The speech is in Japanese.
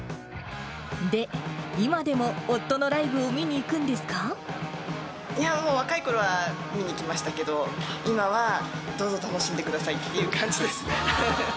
で、今でも夫のライブを見にいや、もう若い頃は見に行きましたけど、今はどうぞ、楽しんでくださいっていう感じです。